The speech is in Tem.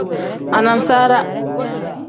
Anasaara.